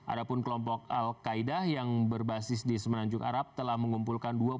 ada pun kelompok al qaeda yang berbasis di semenanjung arab telah mengumpulkan